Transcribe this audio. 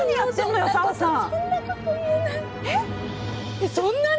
えっそんなに！？